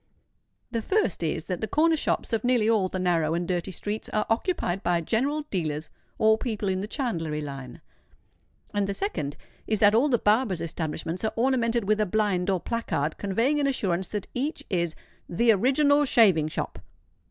The first is that the corner shops of nearly all the narrow and dirty streets are occupied by general dealers or people in the chandlery line; and the second is that all the barbers' establishments are ornamented with a blind or placard conveying an assurance that each is "the original shaving shop."